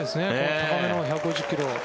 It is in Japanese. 高めの１５０ｋｍ。